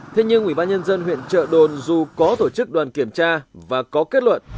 thế nhưng ủy ban nhân dân huyện trợ đồn dù có tổ chức đoàn kiểm tra và có kết luận